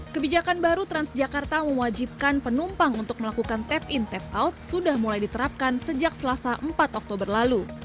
kebijakan baru transjakarta mewajibkan penumpang untuk melakukan tap in tap out sudah mulai diterapkan sejak selasa empat oktober lalu